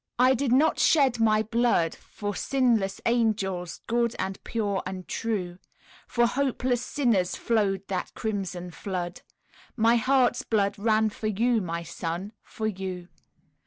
"I did not shed My blood For sinless angels, good and pure and true; For hopeless sinners flowed that crimson flood, My heart's blood ran for you, my son, for you.